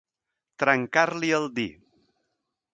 Trencar-li el dir.